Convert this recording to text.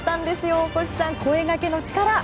大越さん、声がけの力。